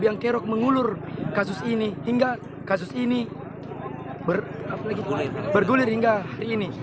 yang kerok mengulur kasus ini hingga kasus ini bergulir hingga hari ini